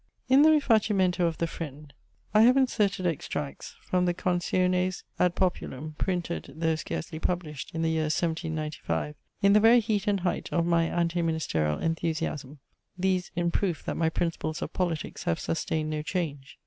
In the rifacimento of THE FRIEND, I have inserted extracts from the CONCIONES AD POPULUM, printed, though scarcely published, in the year 1795, in the very heat and height of my anti ministerial enthusiasm: these in proof that my principles of politics have sustained no change.